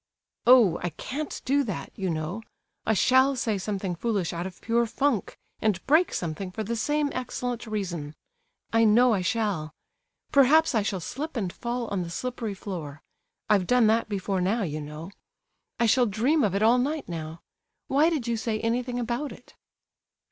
"Oh, I can't do that, you know! I shall say something foolish out of pure 'funk,' and break something for the same excellent reason; I know I shall. Perhaps I shall slip and fall on the slippery floor; I've done that before now, you know. I shall dream of it all night now. Why did you say anything about it?"